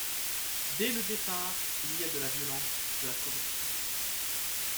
Dès le départ, il y a de la violence, de la corruption.